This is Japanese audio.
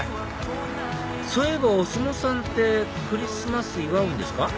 そういえばお相撲さんってクリスマス祝うんですか？